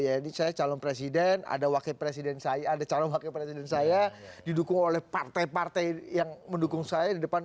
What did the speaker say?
ya ini saya calon presiden ada wakil presiden saya didukung oleh partai partai yang mendukung saya di depan